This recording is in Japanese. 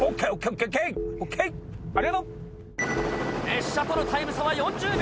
列車とのタイム差は４０秒。